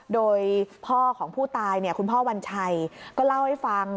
โดยพ่อของผู้ตายคุณพ่อวัญชัยก็เล่าให้ฟัง